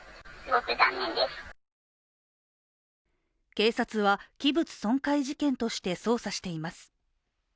警察は器物損壊事件として捜査しています。